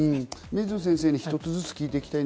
水野先生に一つずつ聞いていきます。